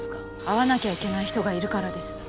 会わなきゃいけない人がいるからです。